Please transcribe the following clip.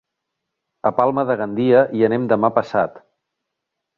A Palma de Gandia hi anem demà passat.